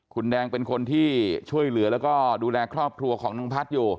คุณแดงเป็นคนที่ช่วยเหลือแล้วก็ดูแลครอบครัวของน้องพัฒน์อยู่